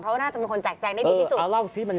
เพราะว่าน่าจะเป็นคนแจกแจงได้ดีที่สุด